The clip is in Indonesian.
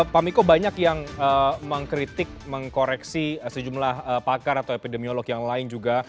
pak miko banyak yang mengkritik mengkoreksi sejumlah pakar atau epidemiolog yang lain juga